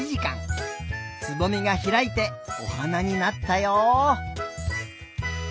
つぼみがひらいておはなになったよ。